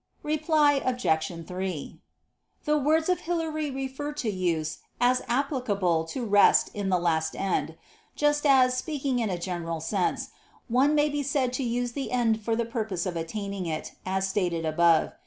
Reply Obj. 3: The words of Hilary refer to use as applicable to rest in the last end; just as, speaking in a general sense, one may be said to use the end for the purpose of attaining it, as stated above.